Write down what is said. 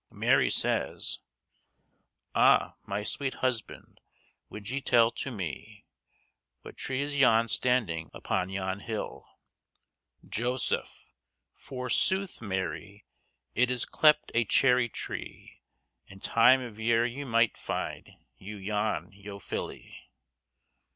—Mary says, A my swete husbond, wolde ye telle to me What tre is yon standynge upon yon hylle? Joseph. Forsoothe, Mary, it is clepyd a chery tre, In tyme of yer ye myght fede yow yon yō fylle.